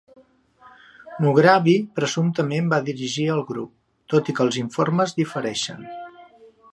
Mughrabi presumptament va dirigir el grup, tot i que els informes difereixen.